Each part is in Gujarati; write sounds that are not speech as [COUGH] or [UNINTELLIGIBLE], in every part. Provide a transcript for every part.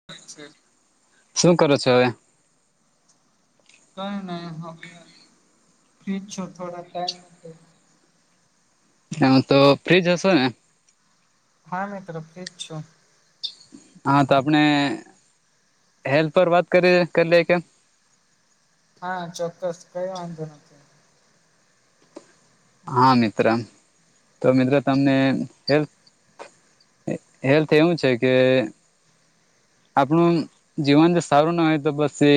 [UNINTELLIGIBLE] શું કરો છો હવે? કઈ નહી હવે ફ્રીજ છો થોડા ટાઈમ. હ તો ફ્રીજ હશે ને? હા મેં તરફથીરી જ છું. હા તો આપણે હેલ્થ પર વાત કરી કરી લે કે? હા ચોક્કસ કઈ વાંધો નથી. હા મિત્ર તો મિત્રો તમને હેલ્થ એ હેલ્થ એવું છે કે આપણું જીવન જે સારું ના હોય તો પસે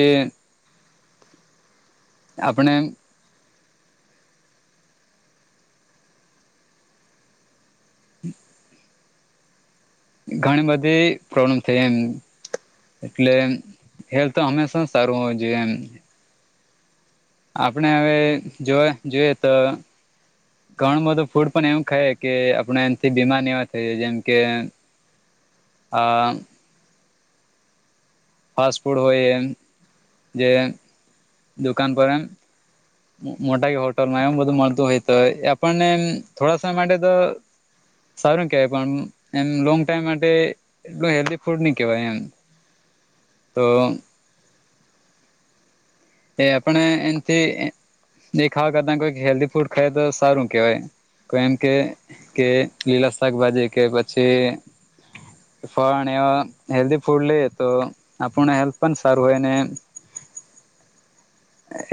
આપણે એમ હમ ઘણી બધી પ્રોબ્લેમ થઈ એમ એટલે હેલ્થ હંમેશા સારું હોય જુવે એમ આપણે હવે જો જોઈએ તો ઘણું બધું ફૂડ પણ એવું ખાય કે આપણે એમથી બીમાર ને એવા થઈએ જેમ કે હા. ફાસ્ટ ફૂડ હોય જે દુકાન પર એમ મોટા હોટલમાં એમ બધું મળતું હોય તો આપણને થોડા સમય માટે તો સારું કેહેવાય પણ એમ લોંગ ટાઈમ માટે એટલું હેલ્ધી ફૂડ નહી કેવાય એમ તો એ આપણે એમથી જે ખાવા કરતા કોઈ હેલ્ધ ફૂડ ખાય તો સારું કેહેવાય તો એમ કે કે લીલા શાકભાજી કે પછી પણ એ હેલ્ધ ફૂડ લઈ તો આપણને હેલ્થ પણ સારું હોય ને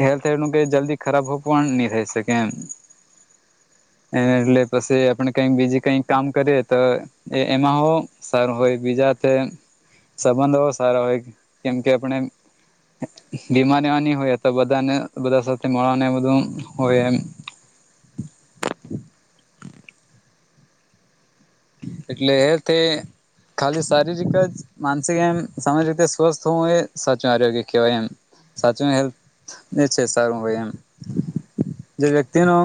હેલ્થ એનુ કે જલ્દી ખરાબ હોવું પણ નહી રહેશે કે એમ એ એટલે પછી આપે કઈક બીજી કઈક કામ કરીએ તો એ એમાં હો સારું હોય બીજા થે સબંધો સારા હોય કેમ કે આપણે બીમારીની હોય તો બધાને બધા સાથે મળવાને બધું હોય એમ એટલે એ તે ખાલી શારીરિક જ માનસિક એમ સામાજિક રીતે સ્વસ્થ હોવું એ સાચું આરોગ્ય કેવાય એમ સાચું હેલ્થ છે સારું હોઈ એમ જે વ્યક્તિ નુ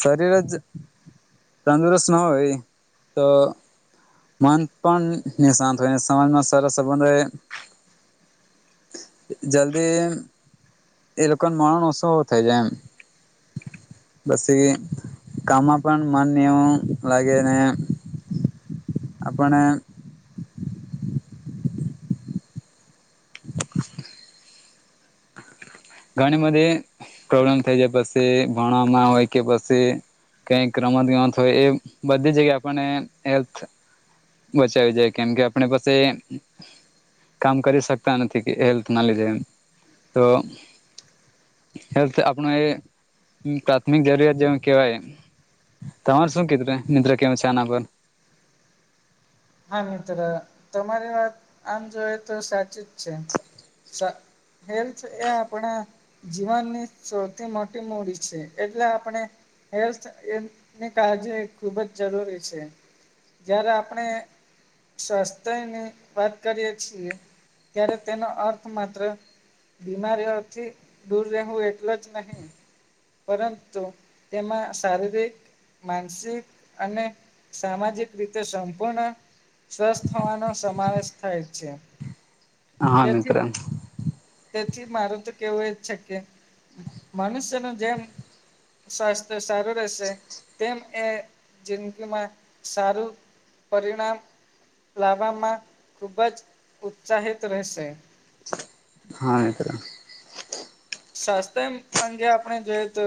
શરીર જ તંદુરસ્ત ના હોય તો મન પણ નિશાંત હોય સમાજમાં સરસ સંબંધો એ જલ્દી એ લોકો નુ માણ ઓછો થાય જાય એમ પછી કામમાં પણ મન એવું લાગે ને આપણે ઘણી બધી પ્રોબ્લેમ થઈ જાય પછી ભણવામાં હોય કે પછી કઈક રમત ગમત હોય એ બધી જગ્યાએ આપણને હેલ્થ બચાવી જાય કેમ કે આપડે પસી કામ કરી શકતા નથી કે હેલ્થ ના લીધે એમ તો હેલ્થ આપણું એ પ્રાથમિક જરૂરિયાત જેમ કેહેવાય તમારે શું કીધું કાય નિદ્ર કે આના પર હા મિત્ર તમારી વાત આમ જોઈ તો સાચી જ છે સા હેલ્થ એ આપણા જીવનની સૌથી મોટી મૂડી છે એટલે આપણે હેલ્થ એની કાળજી ખૂબ જ જરૂરી છે જ્યારે આપણે સ્વાસ્થ્ય ની વાત કરીએ છીએ ત્યારે તેનો અર્થ માત્ર બીમારીઓથી દૂર રહેવું એટલુ જ નહી. પરંતુ તેમાં શારીરિક માનસિક અને સામાજિક રીતે સંપૂર્ણ સ્વસ્થ હોવાનો સમાવેશ થાય છે હા તેથી મિત્ર તેથી મારુ તો કેવું એ છે કે મનુષ્યનું જેમ સ્વાસ્થ્ય સારું રહેશે તેમ એ જિંદગીમાં સારું પરિણામ લાવવામાં ખૂબ જ ઉત્સાહિત રહેશે. હા [UNINTELLIGIBLE] સ્વાસ્થય અંગે આપણે જોઈએ તો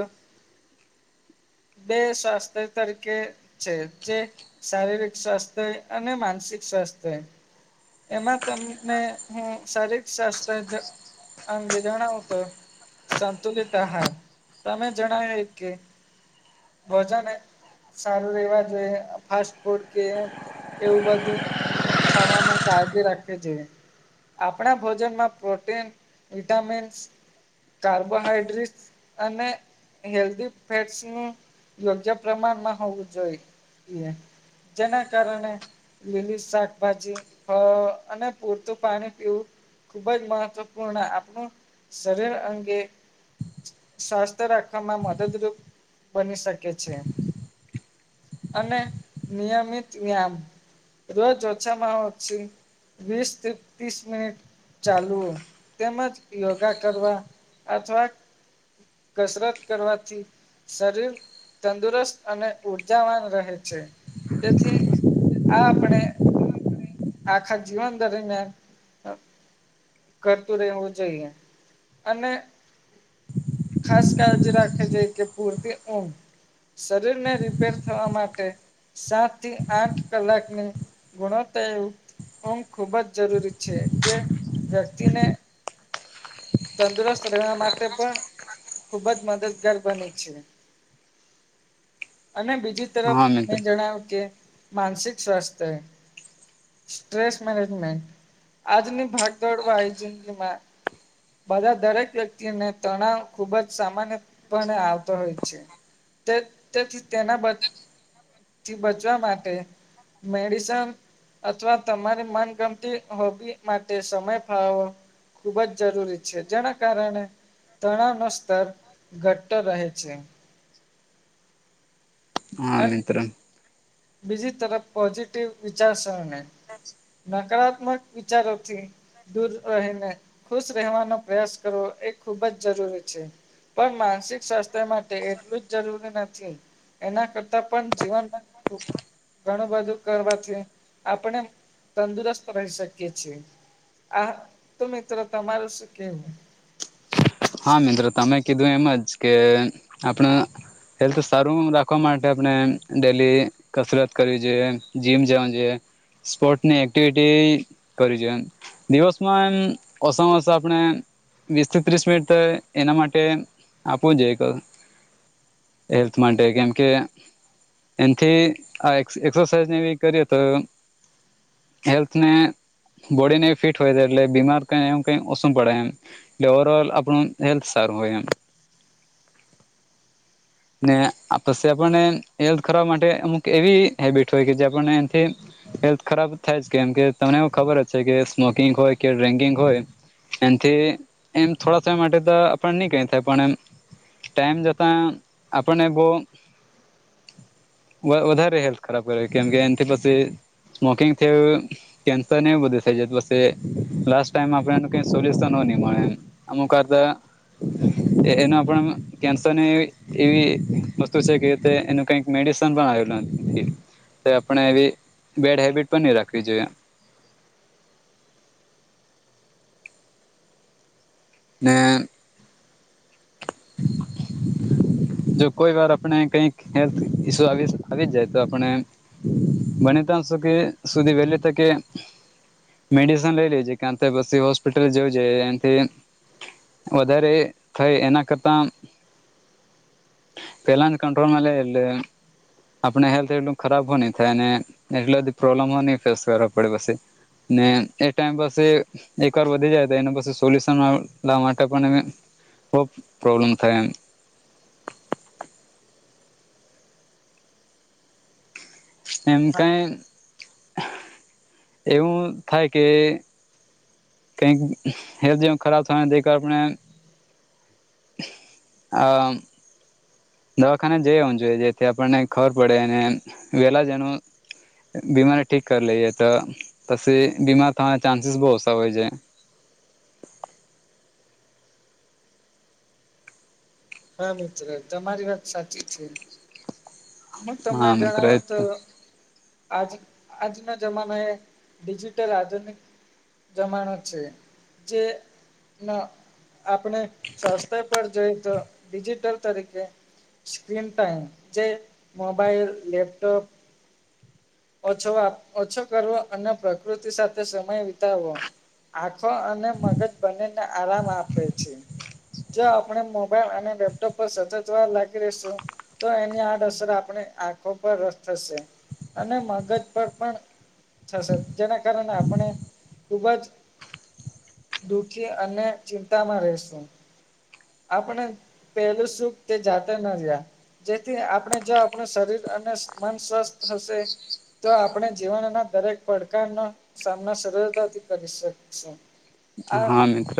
બે સ્વાસ્થય તરીકે છે જે શારીરિક સ્વાસ્થ્ય અને માનસિક સ્વાસ્થ્ય. એમાં તમને હું શારરીક સ્વાસ્થ્ય અંગે જણાવો તો સંતુલિત આહાર તમે જણાવ્યું કે ભજન સારું રહેવા જોઈ ફાસ્ટ ફૂડ કે એવું બધું ખાવામાં કાળજી રાખવી જોઈએ. આપણા ભોજનમાં પ્રોટીન, વિટામિન્સ કાર્બોહાઈડ્રેટ્સ અને હેલ્ધી ફેટ્સનું યોગ્ય પ્રમાણમાં હોવું જોઈએ જેના કારણે લીલી શાકભાજી અને પૂરતું પાણી પીવું ખૂબ જ મહત્વપૂર્ણ આપણું શરીર અંગે સ્વસ્થ રાખવાવામાં મદદરૂપ બની શકે છે અને નિયમિત વ્યામ રોજ ઓછામાંછ વિસ ત ત્રીસ મનિટ ચાલવું તેમજ યોગા કરવા અથવા કસરત કરવાથી શરીર તંદુરસ્ત અને ઉર્જાવાન રહે છે તેથી આ આપણે આખા જીવન દરમિયાન કરતું રહેવું જોઈએ. અને ખાસ કાળજી રાખવી જોઈએ કે પૂરતિ ઊંઘ. શરીર ને રિપેર થવા માટે સાત થી આઠ કલાકની ગુણતા ઊંઘ ખૂબ જ જરૂરી છે જે વ્યક્તિને તંદુરસ્ત રહેવા માટે પણ ખુબ જ મદદગાર બને છે. અને બીજી તરફ હા મિત્ર મેં જણાવ્યું કે માનસિક સ્વાસ્થ્ય. સ્ટ્રેસ મેનેજમેન્ટ આજની ભાગ દોડવા જિંદગીમાં બધા દરેક વ્યક્તિને તણાવ ખુબ જ સામાન્યપણે આવતો હોય છે. તે તેથી તેનાથી બચવા માટે મેડિસન અથવા તમારી મનગમતી હોબી માટે સમય ફાળો ખુબ જ જરૂરી છે. જેના કારણે તણાવ નો સ્તર ઘટતો રહે છે. હા અને મિત્રો બીજી તરફ પોઝિટિવ વિચારસરને નકારાત્મક વિચારોથી દૂર રહીને ખુશ રહેવાનો પ્રયાસ કરવો એ ખૂબ જ જરૂરી છે. પણ માનસિક સ્વાસ્થ્ય માટે એટલું જ જરૂરી નથી એના કરતા પણ જીવનમાં ખૂબ ઘણું બધું કરવાથી આપણે તંદુરસ્ત રહી શકીએ છીએ. આ તો મિત્રો તમારું શું કેવું? હા મિત્ર તમે કીધું એમજ કે આપણ- હેલ્થ સારું રાખવા માટે આપણે ડેલી કસરત કરવી જોઈએ જીમ જવાની જોઈએ સ્પોર્ટ ની એક્ટિવિટી કરવી જોઈએ. દિવસમાં એમ ઓછમાં ઓસ આપણે વીસ થી ત્રીસ મિનિટ તો એના માટે આપવું જોઈએ. હેલ્થ માટે કેમ કે એથી આ એક્સરસાઇઝ ને એવી કરીએ તો હેલ્થ ને બોડી નહી ફિટ હોય છે એટલે બીમાર ક એ કઈ ઓછું પડે એમ એટલે ઓવરલ હેલ્થ સારું હોય એમ. [INAUDIBLE] ને પછી આપણને હેલ્થ ખવા માટે અમુક એવી હેબિટ હોય કે જે આપણને એથી હેલ્થ ખરાબ થાય જ કેમ કે તમને એવ ખબર જ છે કે સ્મોકિંગ હોય કે ડ્રિન્કિંગ હોય એનથી એમ થોડા સમય માટે તો આપ નહી કઈ થાય પણ એમ ટાઈમ જતાં આપણને બો વધારે હેલ્થ ખરાબ કરે કેમ કે એથી પછી સ્મોકિંગ થી કેન્સર ને એવું બધું થઈ જ પ લાસ ટાઈમ આપ ક સોલ્યુશન હો ન મળે એમ. અમુક વાર તો એના પણ કેન્સર એવી વસ્તુ છે કે ર એનું કઈક, મેડિસન પણ આવેલું તો આપણે એવી બેડ હેબિટ પણ નહી રાખવી જોઈએ. ને [INAUDIBLE] જો કોઈ વાર આપણે કઈક હેલ્થ ઈસુ આવી જ જાય તો આપણે બને ત્યાં સુ કે સુધી વહેલી તકે મેડિસન લઇ લેજે કારણ પછી હોસ્પિટલ જવું જઈ એનથી વધારે થઈ એના કરતા પેલા કન્ટ્રોલ મેલા એલે આપણે હેલ્થ એટલું ખરાબ હો નની થાયને એટલી બધી પ્રોબ્લેમો નહી ફેસ કરવા પડે પછી. ને એ ટાઈમ પસી એક વાર વધી જાય તો એને પછી સોલ્યુશનવા માટે પણ એમે પ્રોબ્લેમ થાય‌ એમ. એમ હા કઈ એવું થાય કે કં હેલ્થ જેવ ખરાબ થાયને આપણે અ દવાખાને જઈ આવું જોઈએ જેથી આપણને ખબર પડે અને વેલા જેનું બીમારી ઠીક કરી લઈએ તો તછ બીમાર થવાના ચાન્સીસ બહુ હોય છે. હા મિત્ર તમારી વાત સાચી છે. હુ તમને હા મિત્ર જણાવુ એ તો આજ આજના જમાના એ ડિજિટલ આધુનિક જમાનો છે જે ન આપણે સ્વાસ્થ્ય પર જોઈ તો ડિજિટલ તરીકે સ્ક્રીન ટાઈમ જે મોબાઈલ લેપટોપ ઓછો ઓછો કરવો અને પ્રકૃતિ સાથે સમય વિતાવવો. આખો અને મગજ બનીને આરામ આપે છે. જો આપણે મોબાઈલ અને લેપટોપ પર સજા જવા લાગી રેસુ તો એની આડઅસર આપણી આંખો પર થશે. અને મગજ પર પણ સર જેના કારણે આપણે ખુબ જ દુઃખી અને ચિંતામાં રહેશુ. આપણે પહેલું સુખ તે જાતે નથી રહયા જેથી આપણે જો આપણું શરીર અને મન સ્વસ્થ હશે. તો આપણે જીવન ના દરેક પડકારનો સામના સરળતાથી કરી શકશે. હા મિત્ર.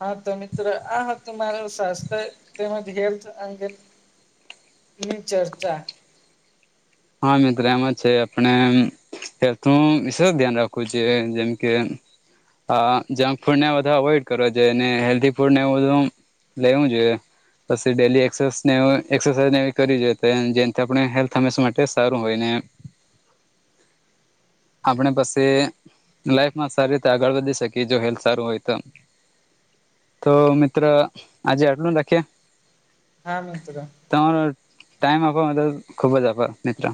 હા તો મિત્રો આ હતું માર સ્વાસ્થ્ય તેમજ હેલ્થ અંગે ની ચર્ચા. હા મિત્ર એમાં છે આપણે હેું વિશે ધ્યાન રાખું છે જેમ કે હ જંક ફૂડ ને બધા અવોઈડ કરવા જોઈએ ને હેલ્ધી ફૂડ ને બધું લેવું જોઈએ. પછી ડેલી એને એક્સરસાઇઝ નેવી જોઈએ જેનેથી આપણે હેલ્થ હંમેશા માટે એ સારું હોય ને. [INAUDIBLE] આપણે પાસે લાઈફમાં સારી રીતે આગળ વધી શકીએ જો હેલ્થ સારું હોય તો. તો મિત્ર આજે આટલું રાખીએ? હા મિત્ર. તમારો ટાઈમ આપવા ખુબ જ આભાર મિત્ર.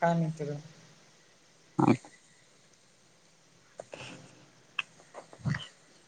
હા મિત્ર. હમ્મ. [INAUDIBLE] [INAUDIBLE]